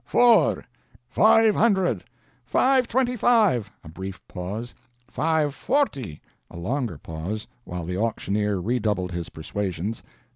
"Four!" "Five hundred!" "Five twenty five." A brief pause. "Five forty!" A longer pause, while the auctioneer redoubled his persuasions.